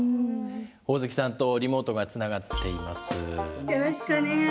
ホオズキさんとリモートがつながっています。